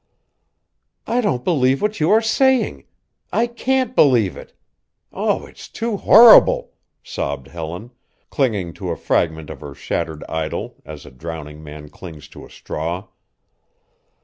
"I don't believe what you are saying! I can't believe it! Oh, it's too horrible!" sobbed Helen, clinging to a fragment of her shattered idol as a drowning man clings to a straw.